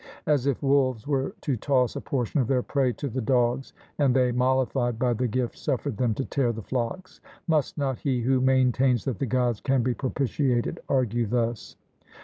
As if wolves were to toss a portion of their prey to the dogs, and they, mollified by the gift, suffered them to tear the flocks. Must not he who maintains that the Gods can be propitiated argue thus?